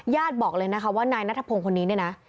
บอกเลยนะคะว่านายนัทพงศ์คนนี้เนี่ยนะ